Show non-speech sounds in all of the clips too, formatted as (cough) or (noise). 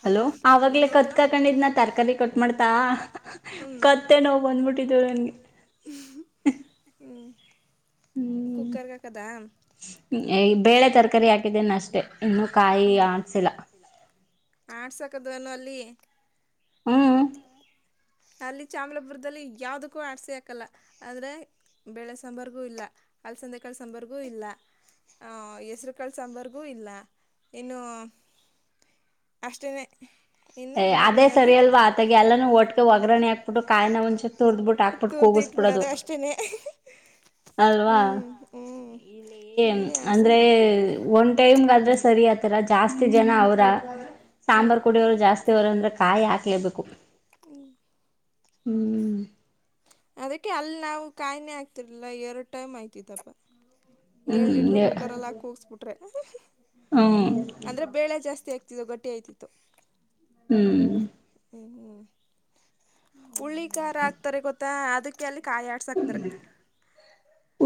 Hello, ಏನಾಯ್ತು ಕತ್ತ ಆ ಕಂಡಿದ್ದೆ, ತರಕಾರಿ ಕಟ್ ಮಾಡ್ತಾ ಹ್ಮ, ಕತ್ತ ನೋ ಬಂದ್ಟ್ಟ. ಹ್ಮ, ಕುಕ್ಕರ್ಗ ಕದಾ. ಹ್ಮ ಬೇಳೆ ತರಕಾರಿ ಹಾಕಿದೇನ್ ಅಷ್ಟೇ, ಇನ್ನು ಕಾಯಿ ಆಡ್ಸಿಲ್ಲ. ಆಡ್ಸಾಕದ್ ನು ಅಲ್ಲಿ. ಅಲ್ಲಿ ಚಾಮಲಾಪುರದಲ್ಲಿ ಯಾವ್ದಕ್ಕೂ ಆಡ್ಸಿ ಹಾಕಲ್ಲ, ಅಂದ್ರೆ. ಬೆಳೆ ಸಾಂಬರ್ಗೂ ಇಲ್ಲ, ತಡ್ನಿ ಕಾಲ್ ಸಾಂಬಾರಿಗೂ ಇಲ್ಲ. ಹ ಹೆಸ್ರು ಕಾಳ್ ಸಾಂಬಾರ್ಗೂ ಇಲ್ಲ, ಇನ್ನು ಅಷ್ಟೇ. ಇನ್ನು, ಆತಾಗ ಎಲ್ಲಾನೂ ಒಟ್ಟಿಗೆ ಒಗ್ಗರಣೆ ಹಾಕ್ತಿದ್ರು, ಸರಿ ಅಲ್ವಾ. ತೊರೆದು ಇಟ್ಬಿಡದ ಅಷ್ಟೇನೆ. ಅಲ್ವಾ. ಅಂದ್ರೆ, ಒನ್ ಟೈಮ್ ಆದ್ರೆ ಸರಿ ಆತರ, ಜಾಸ್ತಿ ಜನ ಅವ್ರ. ಸಾಂಬಾರಾರ್ ಕುಡಿಯೋರು, ಜಾಸ್ತಿ ಅವರು ಅಂದ್ರೆ, ಕಾಯಿ ಹಾಕ್ಲೇಬೇಕು. ಅದಕ್ಕೆ ಅಲ್ಲಿ ನಾವು ಕಾಯನೆೆ ಆಗ್ತಿರ್ಲಿಲ್ಲ, ಎರಡು ಟೈಮ್ ಆಯ್ತಿದಪ್ಪ. ಏಳ್ ಲೀಟರ್ ಕುಕ್ಕರ್ ಅಲ್ಲಿ ಹಾಕಿ ಹೋಗಸ್ಬಿಟ್ರೆ, ಅಂದ್ರೆ ಬೇಳೆ ಜಾಸ್ತಿ ಆಾಕ್ತಿದೆ. ಗಟ್ಟಿಯಾಗುತ್ತಿತ್ತು. ಹೌದಾ. ಹುಳ್ಳಿ ಖಾರ ಹಾಕ್ತಾರೆ, ಗೊತ್ತಾ ಅದಕ್ಕೆ ಅಲ್ಲಿ, ಕಾಯಿ ಆಡ್ಸ ಹಾಕ್ತಾರೆ.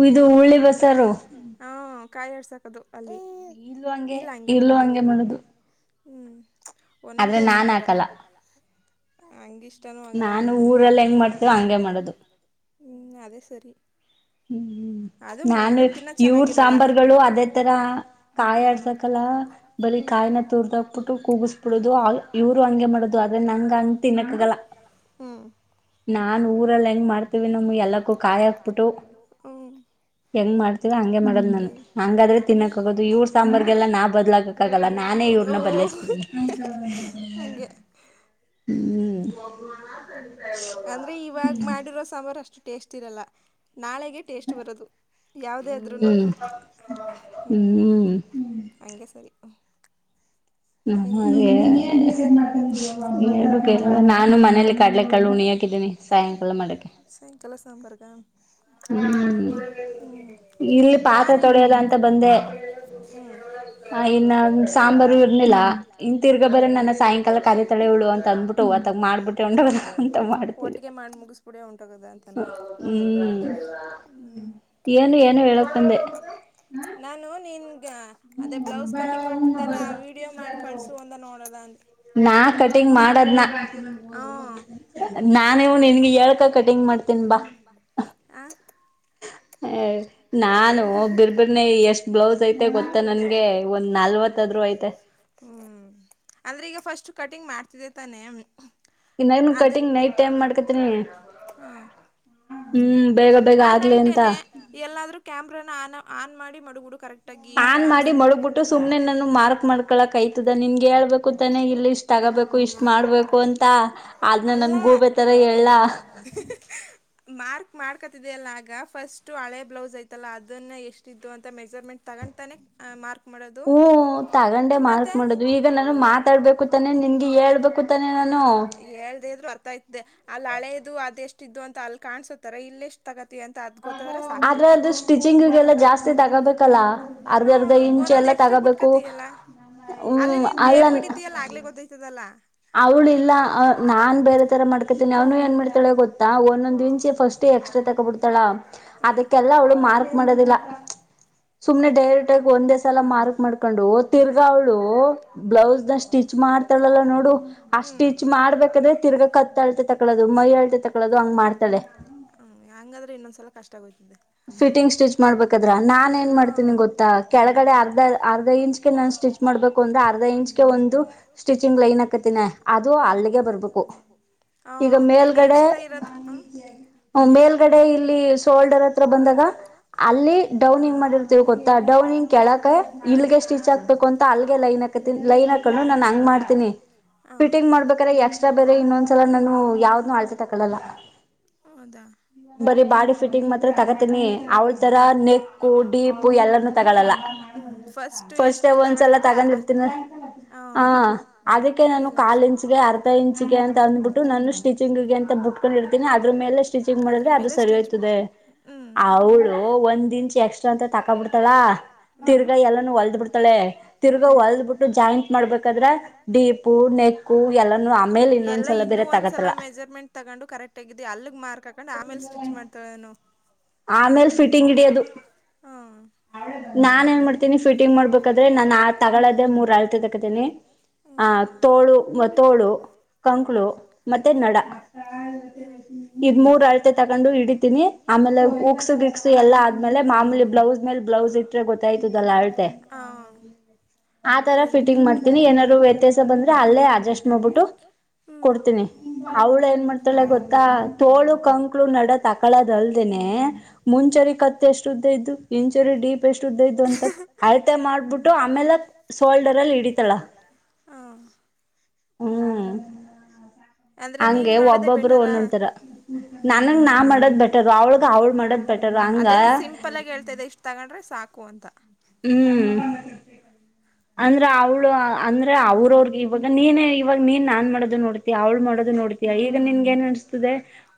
ಇದು ಉರುಳಿ ಬಸಾರು. ಹಾ ಕಾಯಿ ಹಡ್ಸಕದು, ಅಲ್ಲಿ ಇಲ್ಲ ಹಂಗೆ ಮಾಡದು. ಒಂದೊಂತ ಒಂದೊ ತರ. ಹಂಗ ಇಷ್ಟಾನೂ ಆಗಲ್ಲ, ನಂಗ ಊರಲ್ಲಿ ಮಾಡ್ತಿದ್ವಲ್ಲ ಅದೇ ಸರಿ. ಹ್ಮ್ ಹ್ಮ್ ಅದು ಮಾಡುದ ದಿನ ಚೆನ್ನಾಗಿರಲ್ಲ. ಬರೀ ಕಾಯಿನ ತೋಟಬಿಟ್ಟು, ಕೂಗಿಸ್ಬಿಡುದು ಇವ್ರು ಹಂಗಗೆ ಮಾಡುದು, ಅದ್ರ ನಂಗ ತಿನ್ನಕ್ಕಾಗಲ್ಲ. ಹಾ. ನಾನ್ ಊರಲ್ಲಿ ಹೆಂಗ್ ಮಾಡ್ತೀವಿ, ನಮ ಎಲ್ಲಕ್ಕೂ ಕಾಯ ಹಾಕ್ಬಿಟ್ಟು. ಹಂಗೆ. ಹೆಂಗ್ ಮಾಡ್ತೀವ, ಹಂಗೆ ಮಾಡದ್, ನಾನು ಹಂಗಾದ್ರೆ ತಿನ್ನಕ್ಗೋದು, ಇವ್ರ ಸಾಂಬಾರ್ಿಗೆಲ್ಲ ನಾ ಬದ್ಲಾಗ. ನಾನೇ ಇವ್ರನ್ನ ಬದಲೈಸ್ಬಡನಿ. ಹ್ಮ್. (unintelligible) ಅಂದ್ರೆ ಇವಾಗ ಮಾಡಿರೋ ಸಾಂಬಾರು ಅಷ್ಟು ಟೇಸ್ಟ್ ಇರಲ್ಲ ನಾಳೆಗೆ. ಟೇಸ್ಟ್ ಬರೋದು ಯಾವುದೇ ಆದ್ರೂನು ಹ್. ಹಂಗೆ ಸರಿ. ಹ ನಾನು ಮನೇಲಿ ಕಡ್ಲೆ ಕಾಳು ಉಣಿಯಾಕಿದ್ದೀನಿ. ಸಯಂಕಾಲ ಸಾಂಬಾರಗ. ಹ್ಮ. (inaudible) ಹ್ಮ್ ರಾಣಿ ತೊಡೆಯದ ಅಂತ ಬಂದೆ ಹ್ಮ್. ಹ ಇನ್ನು ಸಾಂಬಾರು ಇಡ್ಲಿ. ಲ್ಲ ಇನ್ ತಿರ್ಗ ಬರ್ರ ನನ್ನ ಸಾಯಂಕಾಲ ಕಾರಿ ತಳೆ ಇವಳು ಅಂತ ಅಂದಬಿಟ್ಟು ಅತಾಗ್ ಮಾಡ್ಬಿಟ್ಟೆ ಅಂತ ಮಾಡ. ಹ್ಮ್. ಏನು ಏನು ಹೇಳಕ್ ಬಂದೆ. ನಾನು ನಿನ್ ಅದೇ ಬ್ಲೌಸ್ ಕಟಿಂಗ್ ಮಾಡ್ತಿದ್ದಲ್ಲ ಆ ವೀಡಿಯೋ ಮಾಡಿ ಕಳ್ಸು. ನೋಡದ ಅ ಆದ್ರ (unintelligible) ಕಟಿಂಗ್ ಮಾಡದ ಹ. ನಾನೇವ ನಿನ್ಗೆ ಏಳ್ಕ ಕಟಿಂಗ್ ಮಾಡ್ತೀನ್ ಬಾ. ಆ. ನಾ ಬಿರ್ಬರ್ನೆ ಎಷ್ಟ್ ಬ್ಲ್ದ್ ಐತೆ ಗೊತ್ತ ನನ್ಗೆ ಒಂದ್ ನಾಲ್ವತ್ತು. (unintelligible) ಹ್ಮ್ ಆದಂದ್ರೆ ಈಗ ಫಸ್ಟ್ ಕಟಿಂಗ್ ಮಾಡ್ತಿದ್ದೆ ತಾನೆ. ಇ nine cutting night. Night time (unintelligible) ಮಾಡ್ಕೀನಿ ಹ. ಹ ನೈಟೇನೆ ಎಲ್ಲಾದೂ ಕ್ಯಾಮ್ರಾನ ಆ ಆನ್ ಮಾಡಿ ಮಡಗಿಡು ಕರೆಕ್ಟ್. ಟ್ಟಾಗಿ ಕನ್ ಮಾಡಿ ಮಳಗ್ಬಿಟ್ಟು ಸುಮ್ನೆ ನು ಮಾರ್ಕ್ ಮಾಡ್ಕಳಕ್ಾಯಯತದ ನಿನ್ಗೆ ಹೇಳಬೇಕು ತಾನೇ. ತಗೋಬೇಕು ಇಷ್ಟ ಮಾಡ್ಬೇಕು ಅಂತ ಅದ್ನ ನನ್ ಗೋಬೆ ತರ ಹೇಳ್ಳಾ. ಮಾರ್ಕ್ ಮಾಡ್ಕೊತಿದ ಅಲ್ಲ ಆಗ ಫಸ್ಟ್ ಹಳೆ ಬ್ಲೌಸ್ ಐ್ತಲ್ಲ ಅದನ್ನ ಎಷ್ಟು. ತಿದ್ದು ಅಂತ ಮೆಜರ್ಮೆಂಟ್ ತಗ್ತಾನೆ. ಹ್ಮ ತಗೊಂಡೆ ಮಾರ್ಕ್ ಮಾಡದು ಈಗ ನಾನು ಮಾತಾಡ್ಬೇಕು ತಾನೆ ನಿನ್ಗೆ ಹೇಳ್ಬೇಕು. ತಾನೇ ನಾನು. ಹೇಳ್ದೇ ಇದ್ರು ಅರ್ಥ ಆಯ್ತದೆ ಅಲ್ಲ್ ಹಳೆದು ಅದೆ ಎಷ್ಟ ಇದ್ದ್ವು ಅಂತ ಅಲ್ಲಿ ಕಾಣಸೋತಾರ ಇಲ್ ಎಷ್ಟ್. ತಗತಿ ಅಂತ ಅದ್ ಗೊತ್ತಾದ್ರೆ ಸಾಕು ಆದ್ರ ಸ್ಟಿಚಿಂಗಲ್ಲಾ ಜಾಸ್ತಿ ತಗೋಬೇಕಲ್ಲಾ. ಹ ಒಂದೊಂದ್ ಎಕ್ಸ್ಟ್ರಾ ಬುಟ್ಕತಿಯಲ್ಲ. ಅಲ್ಲಿ ನೀನ್ ಟೇಪ್ ಇಡಿತಿಯಲ್ಲ ಆಗ್ಲೇ ಗೊತ್ತಾಯತದಲ್ಲಾ. ಅವಳ್ ಇಲ್ಲ ನಾ. ನಾನ್ ಬೇರೆ ತರ ಮಾಡ್ಕೊತೇನಿ ಅವ್ನು ಏನ್ ಮಾಡ್ತಾಳ ಗೊತ್ತ ಒಂದೊಂದ್ ಇಂಚ್ ಫಸ್ಟ್ ಎಸ್ಟ್ರಾ ತಕೊಬಿಡ್ತಾಳ. ಅದಕ್ಕೆಲ್ಲ ಅವಳು ಮಾರ್ಕ್ ಮಾಡೋದಿಲ್ಲ. ಸುಮ್ನೆ ಡೈರೆಕ್ಟ್ ಆಗಿ ಒಂದೇ ಸಲ ಮಾರ್ಕ್ ಮಾಡ್ಕೊಂಡು ತಿರ್ಗ ಅವ್ಳು ಬ್ಲೌಸ್ ನ ಸ್ಟಿಚ್ ಮಾಡ್. ತಳ್ಳಲ್ಲ ನೋಡು. ಅ ಸ್ಟಿಚ್ ಮಾಡ್ಬೇಕಾದ್ರೆ ತಿರ್ಗಾ ಕತ್ತ್ ಅಳ್ತೆ ತಕಳೋದು ಮೈ ಅಳ್ತೆ ತಕೊಳೋದು ಹಂಗ್ ಮಾಡ್ತಾಳೆ. ಹ್ಮ ಹ ಹೆಂಗಾದ್ರೆ ಇನ್ನೊಂದ್ಸಲ ಕಷ್ಟ ಆಗೋಯ್ತದೆ. ಫಿಟಿಂಗ್ ಸ್ಟಿಚ್ ಮಾಡ್ಬೇಕಾದ್ರ ನಾನ್ ಏನ್ ಮಾಡ್ತೀನಿ ಗೊತ್ತಾ ಕೆಳಗಡೆ ಅರ್ಧ ಅರ್ಧ ಇಂಚ್ಗೆ ನಾನ್ ಸ್ಟಿಚ್. ಮಾಡ್ಬೇಕು ಅಂದ್ರೆ ಅರ್ಧ ಇಂಚ್ಗೆ ಒಂದು ಸ್ಟಿಚಿಂಗ್ ಲೈನ್ ಹಾಕತ್ತಿನನೆ ಅದು ಅಲ್ಲಿಗೆ ಬರ್ಬೇಕು. ಈಗ ಮೇಲ್ಗಡೆ ಮೇಲ್ಗಡೆ ಇಲ್ಲಿ ಸೋಲ್ಡರ್. ಬಂದಾಗ ಅಲ್ಲಿ ಡೌನಿಂಗ್ ಮಾಡಿರ್ತೀವಿ ಗೊತ್ತಾ ಡೌನಿಂಗ್ ಕೇಳಕ ಇಲ್ಲಿಗೆ ಸ್ಟಿಚ್ ಆಗ್. (unintelligible) ಅಂತ ಅಲ್ಗೆ ಲೈನ್ ಹಾಕತಿನಿ ಲೈನ್ ಹಾಕೊಂಡ್ ನಾನ್ ಹಂಗ್ ಮಾಡ್ತಿನಿ ಫಿಟಿಂಗ್ ಮಾಡ್ಬೇಕ್ರೆ ಎಷ್. (unintelligible) ಇನ್ನೊಂದ್ ಸಲಾ ನಾನು ಯಾವ್ದ್ನೂ ಅಳ್ತೇ ತಕಳ್ಳಳ ಹೌದಾ ಬರಿ ಬಾಡಿ. (unintelligible) ತಗತಿನಿ ನಾನ್ ಈ ತರ ನೆಕ್ಕು ಡೀಪು ಎಲ್ಲ ತಗಳಲ್ಲ ಹ್ಮ್ ಫಸ್ಟ್. ಫಷ್ಟು ಎಷ್ಟು ತಗೊಂಡಿರ್ತಿಯ ಅ (unintelligible) ಅದೇ ಲಾಷ್ಟು. ಇಂಚ್ ಗೆ ಅಂತ ಅನ್ ಬಿಟ್ಟು ನಾನು ಸ್ವಿಚಿಂಗ್ ಗೆ ಅಂತ ಬುಟ್ಕೊಂಡಿರ್ತೀನಿ ಅದ್ರ ಮೇಲೆ ಅದ್ರ ಮೇಲೆ ಸ್ಟಿಚ್ ಹುಂ ಅವಳು ಒಂದ್ ಇಂಚ್ ಎಕ್ಸ್ಟ್ರಾ ಅಂತ ತಕೊಬಿಡ್ತಾಳಾ ತಿರ್ಗಾ ಎಲ್ಲಾನು ಒಲದ್ಬಿಡ್ತಾಳೆ. ತಿರ್ಗಾ ಹೊಲ್ದ್ ಬಿಟ್ಟು ಜಾಯಿಂಟ್ ಮಾಡ್ಬೇಕಾದ್ರೆ ಡೀಪು ನೆಕ್ಕು ಎಲ್ಲಾನು ಎಲ್ಲಾ ಇನ್ನು ಒಂದ್ಸಲ ಮೆಜರ್ಮೆಂಟ್ ತಗೊಂಡು ಕರೆಕ್ಟ್ ಆಗಿದೆ ಅಲ್ಲಿಗ್ ಮಾರ್ಕಾಕೊಂಡು ಆಮೇಲೆ ಸ್ಟಿಚ್ ಮಾಡ್ತಾಳೆ ಏನ್ನೊ. ಆಮೇಲ್ ಫಿಟಿಂಗ್ ಹಿಡಿಯೋದು ಹಾ. ನಾನ್ ಏನ್ ಮಾಡ್ತಿನಿ ಫಿಟಿಂಗ್ ಮಾಡ್ಬೇಕಾದ್ರೆ ನಾನ್ ಆ ತಗೊಳದೆ ಮೂರ್ ಅಳ್ತೇ ತಕತೀನಿ. ಆ ತೋಳು ಮ ತೋಳು ಕಂಕ್ಳು ಮತ್ತೆ ನಡಾ. ಇದ್ ಮೂರ್ ಅಳತೆ ತಗೊಂಡು ಹಿಡಿತೀನಿ ಆಮೇಲೆ ಉಕ್ಸು ಗಿಕ್ಸು ಎಲ್ಲಾ ಆದ್ಮೇಲೆ ಮಾಮೂಲಿ ಬ್ಲೌಸ್ ಮೇಲ್ ಬ್ಲೌಸ್ ಇಟ್ರೆ ಗೊತ್ತಾಯ್ತದಲ್ಲಾ ಅಳ್ತೆ. ಆತರಾ ಫಿಟಿಂಗ್ ಮಾಡ್ತೀನಿ ಏನಾರು ವ್ಯತ್ಯಾಸ ಬಂದ್ರೆ ಅಲ್ಲೇ ಅಡ್ಜಸ್ಟ್ ಮಾಡ್ಬಿಟ್ಟು ಕೊಡ್ತೀನಿ ಅವಳ್ ಏನ್ ಮಾಡ್ತಾಳೆ ಗೊತ್ತಾ ತೋಳು ಕಂಕ್ಲು ನಡಾ ತಕಳದ್ ಅಲ್ದೇನೆ. ಮುಂಚರಿ ಕತ್ತ್ ಎಷ್ಟ್ ಉದ್ದ ಇದ್ದು ಇಂಚರಿ ಡೀಪ್ ಎಷ್ಟ್ ಉದ್ದ ಇದ್ದು ಅಂತಾ ಅಳ್ತೆ ಮಾಡ್ಬಿಟ್ಟು ಆಮೇಲೆ ಶೋಲ್ಡರ್ ಅಲ್ಲಿ ಹಿಡಿತಾಳ. ಹಾ ಹುಂ ಹಂಗೆ ಒಬ್ಬೊಬ್ರು ಒನ್ನೊಂತರ ನನಗ್ ನಾ ಮಾಡದ್ ಬೆಟರು ಅವ್ಳಗ ಅವ್ಳ ಮಾಡದ್ ಬೆಟ್ರು ಅಂಗ ಸಿಂಪಲಾಗ್ ಹೇಳ್ತಾ ಇದೆ ಇಷ್ಟ್ ತಗೊಂಡ್ರೆ ಸಾಕು ಅಂತಾ ಹುಂ ಅಂದ್ರ ಅವ್ಳು ಅಂದ್ರೆ ಅವ್ರ್ ಅವ್ರ್ಗೆ ಇವಾಗ ನೀನೇ ಇವಾಗ ನೀನೇ ನಾನ್ ಮಾಡದ್ ನೋಡಿರ್ ಅವ್ಳ್ ಮಾಡೋದು ನೋಡತಿಯಾ ಈಗ ನಿನ್ನಗೆ ಏನ್ ಅನುಸ್ತದೆ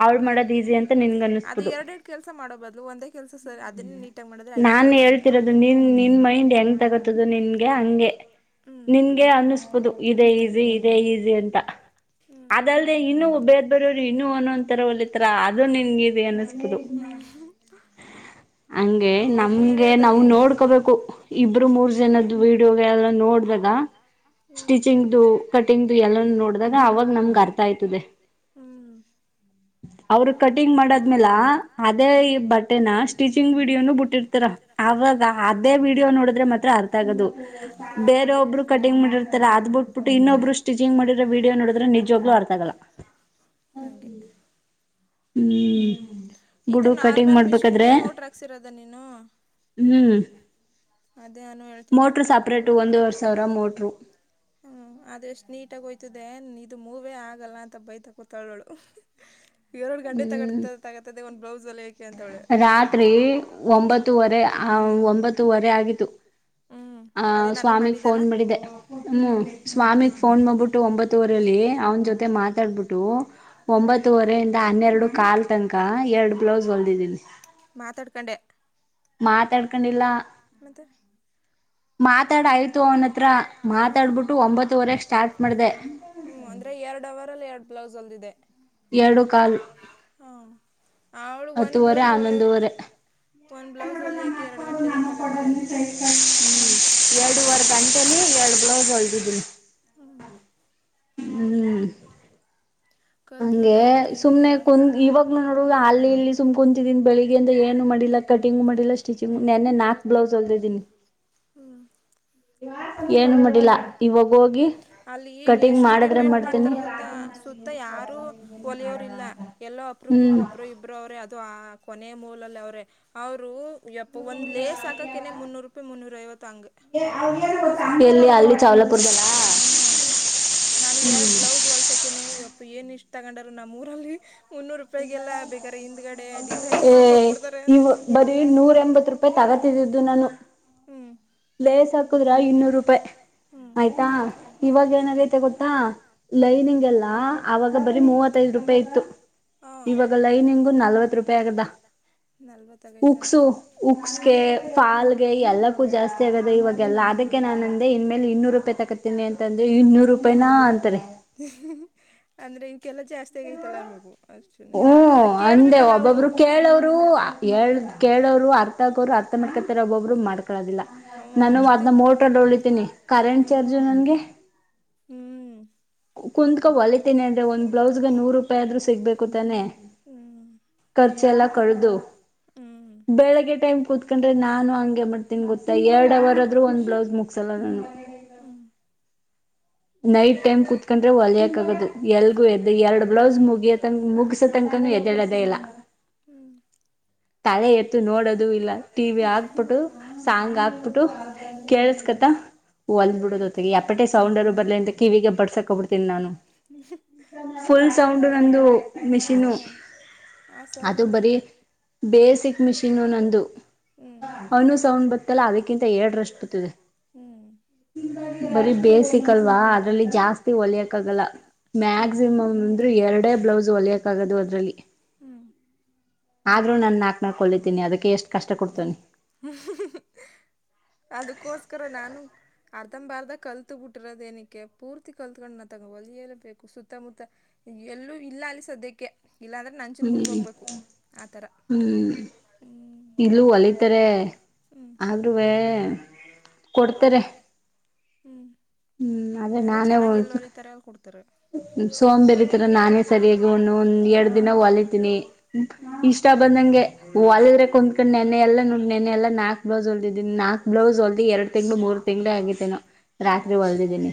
ಅವ್ಳ್ ಮಾಡದ್ ಈಸಿ ಅಂತ ನಿನ್ ಅನ್ನಿಸ್ತು ಹುದು. ಕೆಲಸ ಮಾಡೋ ಬದ್ಲು ಒಂದೇ. ಕೆಲ್ಸಾ ಸರ ಅದನ್ನೇ ನೀಟ್ ಆಗಿ ಮಾಡುದ್ರ ಆಯ್ತದಲ್ಲಾ ಅಂತ ನಾನ್ ಹೇಳ್ತಿರದು ನಿನ್ ನಿನ್ ಮೈಂಡ್ ಎಂಗ್ ತಗೋತದೋ ನಿನ್ಗೆ ಅಂಗೆ. ಹುಂ ನಿನ್ನಗೆ ಅನ್ಸ್ಬೊದು ಇದೆ ಈಜಿ ಇದೆ ಈಜಿ ಅಂತಾ. ಹ್ಮ್ ಅದಲ್ದೆ ಇನ್ನು ಬೇರ್ ಬೇರೆಯವ್ರು ಇನ್ನು ಒನ್ನೊಂತರ ಹೊಲಿದಿರತಾರ ಅದು ನಿನ್ಗೆ ಈಜಿ ಅನ್ಸ್ಬೊದು. ಓ ವಿಡಿಯೋದಲ್ಲಿ ನೋಡ್ಕೋಬೇಕು ಇಬ್ರು ಮೂರ್ ಜನುದ್ದು ವಿಡಿಯೋ ಎಲ್ಲ ನೋಡ್ಬೇಕು. ಹುಂ ಸ್ವಿಚಿಂಗ್ ದು ಕಟಿಂಗ್ ದು ಎಲ್ಲಾನು ನೋಡದಾಗ ಅವಾಗ ನಮಗ್ ಅರ್ಥ ಆಯ್ತದೆ. ಹುಂ ಅವರು ಕಟಿಂಗ್ ಮಾಡದ್ಮೇಲಾ ಅದೇ ಈ ಬಟ್ಟೆನ ಸ್ಟಿಚಿಂಗ್ ವಿಡಿಯೋ ಟೀವನು ಬಿಟ್ಟಿರ್ತಾರಾ ಅವಾಗ ಅದೇ ವೀಡಿಯೋ ನೋಡಿದ್ರೆ ಮಾತ್ರ ಅರ್ಥ ಆಗೋದು ಬೇರೆ ಒಬ್ರು ಕಟ್ಟಿಂಗ ಮಾಡಿರ್ತಾರೆ ಅ ಬಿಟ್ಟುಬಿಟ್ಟ ಇನ್ನಬ್ರು ಸ್ಟಿಚಿಂಗ್ ಮಾಡಿರೋ ವಿಡಿಯೋ ನೋಡ್ರ ನಿಜ್ ವಾಗಲು ಅರ್ಥಗಲ್ಲಾ ಹಂಗೆ (unintelligible) ಇದು ನಾರ್ಮಲ್ ಮಿಶಿನ್ ಗೆ ಮೋಟ್ರ ಹಾಕ್ಸಿರೋದ ನೀನು ಅದೇ ಅನು ಹೇಳ್ತಿದ್ಲು ಮೋಟರ್ ಸಪ್ರೇಟ್ ಒಂದ ವರೇ ಸಾವಿರಾ ಮೋಟರು ಹುಂ ಆದ ಎಷ್ಟು ನೀಟ್ ಆಗಿ ಹೋತಿದೆೆ ಇದು ಮೂವೇ ಆಗಲ್ಲಾ ಅಂತ ಬೈತಾ ಕುತಾಳೋಳು ಏರಡ ಗಂಟೆ ಎಟ್ಟೋತನ ತಗೊತ್ತದೆ ಒಂದು ಬ್ಲೌಸ್ ಹೊಲಿಯೋಕೆ ಅಂತಾವಳೇ ರಾತ್ರಿ ಒಂಬತ್ತು ವರೆ ಒಂಬತ್ತು ವರೆ ಆಗಿತ್ತು ಹುಂ ಅದೇ ನನಗ ಮಾಡಿದ್ದಲ್ಲಾ ಹುಂ ಸ್ವಾಮಿ ಫೋನ್ ಮಾಡ್ಬಿಟ್ಟು ಒಂಬತ್ತುವರೆಲ್ಲಿ ಅವನ ಜೊತೆ ಮಾತಾಡ್ಬಿಟ್ಟು ಒಂಬತ್ತುವರೆ ಯಿಂದಾ ಹನ್ನೆರಡು ಕಾಲ್ ತನಕಾ ಎರಡು ಬ್ಲೌಸ್ ಹೊಲ್ದಿದ್ದೀನ ಮಾತಾಡ್ಕೊಂಡೆ ಮಾತಾಡ್ಕೊಂಡಿಲ್ಲಾ ಮತ್ತೆ ಮಾತಾಡ ಆಯ್ತು ಅವನತ್ರ ಮಾತಾಡ್ಬಿಟ್ಟು ಒಂಬತ್ತುವರೆ ಸ್ಟಾರ್ಟ್ ಮಾಡಿದೇ. ಹ್ಞೂ ಅಂದರೆ ಎರಡು ಅವರಲ್ಲಿ ಎರಡು ಬ್ಲೌಸ್ ಹೊಲದಿದ್ದೇ. ಎರಡು ಕಾಲು. ಹಾಂ ಅವಳು ಒನ್ ಬ್ಲೌಸ್ ಹೋಲಿ ಒಂದ್ ಬ್ಲೌಸ್ ಹೊಲಿಯಾಕೆ ಎರಡ್ ಗಂಟೆ ಇದಂತ ತಗತ್ತದೆ ಅಂದಳು. ಹ ಹ್ಮ ಎರಡುುವರೆ ಗಂಟೆಲಿ ಎರಡು ಬ್ಲೌಸ್ ಹೊಲ್ದಿದ್ದೀನಿ. ಹ್ಮ. ಹ್ಮ್. ಹಂಗೆ ಸುಮ್ನೆ ಕುಂದ್ ಇವಾಗನು ನೋಡುವ ಅಲ್ಲಿ ಇಲ್ಲಿ ಸುಮ್ ಕುಂತಿದ್ದೀನ್ ಬೆಳಿಗ್ಗೆಯಿಂದ ಏನು ಮಾಡಿಲ್ಲ. ಕಟಿಂಗ್ ಮಾಡಿಲ್ಲ ಸ್ಟಿಂಚಿಗ್ ನೆ ನಾಕ್ ಬ್ಲೌಸ್ ಹೊಲ್ದಿದ್ದೀನಿ. ಹ್ಮ. ಏನ್ಲ್ಲ ಅಲ್ಲಿ ಎಷ್ಟು ಡಿಮ್ಯಾಂಡ್ ಮಾಡ್ತಾರ ಗೊತ್ತಾ ಸುತ್ತ ಯ ಯಾರೂ ಒಲೆಯೋರಿ ಇಲ್ಲ ಎಲ್ಲೋ ಅಪ್ರೂಪಕ್ಕೂ ಒಬ್ಬರು ಇಬ್ರು ಅವ್ರೇ ಅದು ಆ ಕೊನೆಯ ಮೂಲಲ್ಲಿ ಅವ್ರೆ ಅವರು ಯ ಅಪ್ಪೊ ಒಂದು ಲೇಸ್ ಹಾಕಕ್ಕೇನೆ ಮುನ್ನೂರು ರೂಪಾಯಿ ಮುನ್ನೂರ ಐವತ್ತು ಅಂಗೆ. ಸಾಕಾ ಡಿಮ್ಯಾಂಡ್ ಮಾಡ್ತಾರೆ ಮಾತ್ರ ಹಾ. ನಾನು ಎರಡು ಬ್ಲೌಸ್ ಹೊಲ್ಸೋಕೇನೆ ಯಪ್ಪ ಏನ್ ಇಷ್ಟ್ ತಗೊಂಡರು ನಮೂರಲ್ಲಿ ಮುನ್ನೂರು ರೂಪಾಯಿಗೆಲ್ಲ ಬೇಕ ರೆ ಹಿಂದ್ಗಡೆ ಡಿಸೈನ್ ಮಾಡ್ಕೊಟ್ಬ ಬಿಡ್ತಾರೆ ಅಂದ್ರ ಬರೀ ನೂರ ಎಂಬತ್ ರೂಪಾಯಿ ತಗತಿದ್ದು ನಾನು. ಹ್ಮ್. ಲೆಸ್ ಹತಿದ್ರಾ ಇನ್ನೂರು ರೂಪಾಯಿ ಹ ಆಯ್ತಾ ಇವಾಗ ಏನಾಗೈತೆ ಗೊತ್ತಾ? ಲೈನಿಂಗ್ ಎಲ್ಲ ಆಗ ಬರೀ ಮೂವತ್ತೈದು ರೂಪಾಯಿ ಇತ್ತು ಇವಾಗ ಲೈನಿಂಗು ನಲ್ವತ್ತು ರೂಪಾಯ ಆಗದ ಉಕ್ಸು ಫಾಲ್ಗೆ ಎಲ್ಲ ಜಾಸ್ತಿ ಆಗದ ಇವಾಗೆಲ್ಲ ಅದಕ್ಕೆ ನನಾಂದೇ ಇನ್ ಮೇಲೆ ಇನ್ನೂರು ರೂಪಾಯಿ ತಗತೀನಿ ಅಂದ್ರೆ ಇನ್ನೂರುಾ ರೂಪಾಯಿನ ಅಂತಾರೆ ಅಂದ್ರೆ ಇವಲ್ಲ ಜಾಸ್ತಿ ತೆಗತಲ್ಲಬೇಕಗು ಅಷ್ಟು ಅಂದ್ರೆ ಕೇಳ್ಬೇಕಲ್ಲ ಅವರು ಹೇಳ ಕೇಳೋರು ಅರ್ಥ ಆಗೋರು ಅರ್ಥ ಮಾಡ್ಕೊತಾರೆ ಒಬ್ಬೊಬ್ರು ಮಾಡ್ಕೊೋದಿಲ್ಲ. ನಾನು ಅದ್ನ ಮೋಟ್ರ ಒಳಿತೀನಿ ಕರೆಂಟ್ ಚಾರ್ಜು ನನ್ಗೆ ಹ್ಮ್. ಕುತ್ಕ ಹೊಲಿತೇನೆ ಅಂದ್ರೆ ಒಂದ್ ಬ್ಲೌಸ್ಗೆ ನೂರು ರೂಪಾಯಿ ಆದ್ೂ ಸಿಗ್ಬೇಕು ತಾನೆ? ಹ. ಖರ್ಚೆ ಎಲ್ಲ ಕಡದು ಬೆಳಿಗ್ಗೆ ಟೈಮ್ ಕುೂತ್ಕೊಂಡ್ರೆ ನಾನು ಮಾಡ್ತೀನಿ ಗೊತ್ತಾ ಎರಡು ಅವರ್ ಆದ್ರೂ ಒಂದು ಬ್ಲೌಸ್ ಮುಗಸಲ್ಲ ನಾನು. ಹಾಂ.. ನೈಟ್ ಟೈಮ್ ಕುೂತ್ಕೊಂಡ್ರೆ ಹೊಲಿಯಕ ಆಗದು ಎಲ್ಗೂ ಎದ್ ಎರಡ್ ಬ್ಲೌಸ್ ಮುಗಿಯತ ಮುಗಸ ಮುಗಸುತ್ತ ಅಂತ ಎದಳದೇ ಇಲ್ಲ ಹ್ಮ್. ತಲೆ ಎತ್ತುು ನೋಡದು ಇಲ್ಲ ಟಿವಿ ಹಾಕ್ಬಿಟ್ಟು ಸಾಾಂಗ್ ಹಾಕ್ಬಿಟ್ಟು ಹ ಕೇಳಸ್ಕತ ಹೊಲದೂ ಬಿಡೋದುತ್ತಗೆ ಯಪಟ್ಟೆ ಸೌಂಡ್ರು ಬರ್ಲ. ಬಂತ ಕಿವಿಗ ಬಡ್ಸ ಹಾಕಬಿಡ್ತೀನಿ ನಂದ ಫುಲ್ ಸೌಂಡ್ಂದು. ಹಾ ಸೌಂಡ್ ಅಲ್ಲಿ ಹಂಗ ಪರಿ. ಬೇಸಿಕ್ ಮಿಷಿನ್ ನಂದು ಹಣು (unintelligible) ಬತ್ತಲ್ಲ ಅದಕ್ಕಿಂತ ಎಏಡರಷ್ಟು ಬತವಿ ಹ್ಮ್. ಬರಿ ಬೇಸಿಕ್ ಲ್ವಾ ಅದ್ರಲ್ಲಿ ಜಾಸ್ತಿ ಹೊಲಿಯಕ್ ಆಗಲ್ಲ ಮ್ಯಾಕ್ಸಿಮಮ್ ಅಂದ್ರೆ ಎರಡೇ ಬ್ಲೌಸ್ ಹೊಲಯಕೇ ಹೊಲಿಯಕ ಆಗದು ಅದ್ರಲ್ಲಿ ಹ್ಮ. ಆದ್ರೂ ನಾನ್ ನಾಕ್ ಹೊಲಿತೀನಿ ಅದಕ್ಕೆ ಎಷ್ಟ ಕಷ್ಟ ಕೊಡ್ತೇನಿ ಹ್ಮ (inaudible) ಅದಕೋಸ್ಕರ ನಾನು ಅರ್ಧಂಬರ್ಧ ಕಲ್ತು ಬಿಟ್ಟಿರದ ದೆಏನಕ್ಕೆ ಪೂರ್ತಿ ಕಲ್ತ್ಕೊಂಡನ್ನ ತಗ ಒಲಿಯೇಬೇಕು ಸುತ್ತಮುತ್ತ ಎಲ್ಲೂ ಇಲ್ಲ ಅಲ್ಲಿ ಸದ್ಯಕ್ಕೆ ಇಲ್ಲ ಅಂದ್ರೆ ನಂಚನ್ ಗುಡ್ಕ ಹೋಗ್ಬೇಕು ಆ ಥರ (inaudible) ಹ್ಮ ಇಲ್ಲೂ ಒಲಿತಾರೆ ಆದ್ರೂವೆ ಕೊಡ್ತಾರೆ ಹ್ಮ್ ಹ್ಮ್ ಅದೆ ನಾನೇ ಒಲ್ಸು ಉ ತರ ಅಲ್ ಕೊಡ್ತಾರೆ ಸೋಮಂಬೇರ್ತರ ನಾನೇ ಸರಿಯಾಗಿನು ಒಂದ್ ಎರಡ್ ದಿನ ಹೊಲಿತೀನಿ ಇಷ್ಟ ಬಂದಂಗೆ ಒಲ್ದ್ರೆ ಕುಂದ್ಕೊಂಡ್ ನೆನ ಎಲ್ಲಾ ನೋ ನೆನೆ ಎಲ್ಲಾ ನಾಕ ನಾಕ್ ಬಲಸ್ ಹೊಲ್ದಿದ್ದೀನಿ ನಾಕ್ ಬ್ಲೌಸ್ ಹೊಲ್ದಿ ಎರಡ್ ತಿಂಗಳು ಮೂರು ತಿಂಗ್ಳ ಆಗೈ ನಾ ರಾತ್ರಿ ಹೊಲ್ದಿದ್ದೀನಿ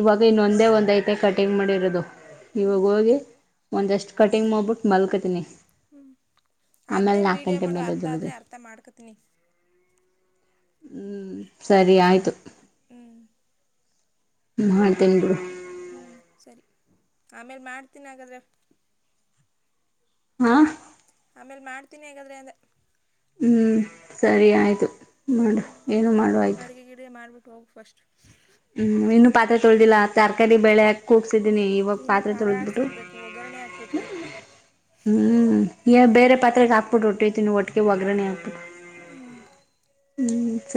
ಇವಾಗ ಇನ್ನೊಂದೇ ಒಂದ್ ಒ ಐತ್ ಐತೆ ಕಟಿಂಗ್ ಮಾಡಿರೋದು ಇವಾಗ ಹೋಗಿ ಒಂದ್ಷ್ಟು ಕಟಿಂಗ್ ಮಾಡ್ಬಿಟ್ಟು ಮಲ್ಕದನಿ ಅದ್ನೇ ವೀಡಿಯೋ ಮಾಡು ಅರ್ಥ ಆದ್ರೆ ಅರ್ಥ ಮಾಡ್ಕೊತನಿ ಹ್ಮ್ ಸರಿ ಆಯ್ತು ಹ ಹ್ಮ್ ಸರಿ ಆಮೇಲ್ ಮಾಡ್ತೀನಿ ಹಾಗಾದ್ರೆ ಹಾ ಹಾ ಆಮೇಲ್ ಮಾಡ್ತೀನಿ ಹೇಗಾದ್ರೆ ಅಂದೆ ಹ್ಮ್ ಸರಿ ಆಯ್ತು ಹ್ಮ ಅಡಗೆ ಗಿಡಗೆ ಮಾಡ್ಬಿಟ್ಟು ಹೋಗ ಫಸ್ಟ್ ಹ್ಮ ಇನ್ನು ಪಾರೆ ತೊಳ್ದಿಲ್ಲ ತರಕಾರಿ ಬೆಳೆ ಅಕ್ ಕೂಗ್ಸಿದ್ದೀನಿ ಇನ್ನು ಖಾರಾಡ್ಸದ್ಬೇಕು ಒಗ್ಗರಣೆ ಹಾಕ್ಬೇಕು ಹ್ಮ್ ಏ ಬೇರೆ ಪಾರೆಗೆ ಹಾಕ್ಬಿಟ್ಟು ಹೊಟ್ಟೈತಿ ನೀ ಒಟ್ಟಿಗೆ ಒಗ್ಗರಣೆ ಅಕ್ ಹ್ಮ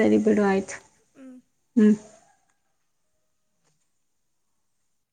ಸರಿ ಬಿಡು ಆಯ್ತು ಹ್ಮ